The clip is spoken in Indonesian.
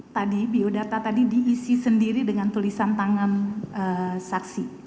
tadi biodata tadi diisi sendiri dengan tulisan tangan saksi